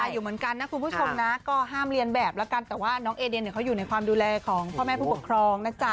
อยู่เหมือนกันนะคุณผู้ชมนะก็ห้ามเรียนแบบแล้วกันแต่ว่าน้องเอเดนเขาอยู่ในความดูแลของพ่อแม่ผู้ปกครองนะจ๊ะ